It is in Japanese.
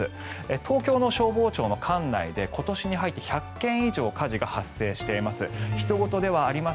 東京の消防庁の管内で今年に入って１００件以上火事が発生しています。